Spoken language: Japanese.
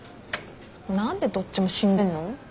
何でどっちも死んでんの？